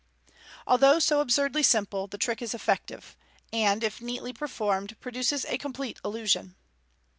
Although so absurdly simple, the trick is effective, and if neatly per formed, produces a complete illusion.